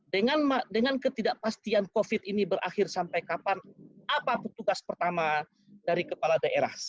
dengan ketidakpastian covid ini berakhir sampai kapan apa petugas pertama dari kepala daerah